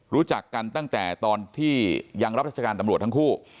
รู้จักกันตั้งแต่ตอนที่ยังรับราชการตำรวจทั้งคู่